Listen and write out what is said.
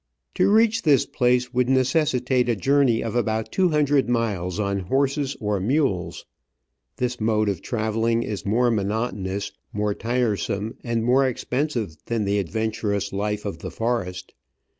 To reach this place would necessitate a journey of about two hundred miles on horses or mules. This mode of travelling is more monotonous, more tire some, and more expensive than the adventurous life of the forest.